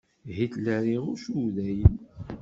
Hitler iɣuc Udayen.